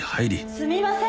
すみません。